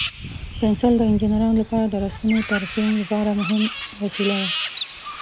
پنسل د انجینرانو لپاره د رسمونو د ترسیم لپاره مهم وسیله ده.